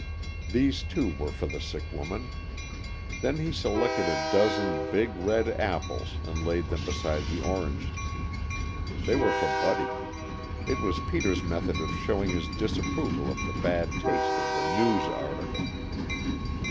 These too were for the sick woman. Then he selected a dozen big, red apples and laid them beside the oranges. They were for Buddy. It was Peter's method of showing his disapproval of the bad taste of the News' article.